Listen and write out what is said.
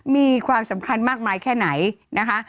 มีความสำคัญมากมายแค่ไหนนะคะ